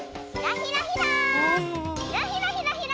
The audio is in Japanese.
ひらひら。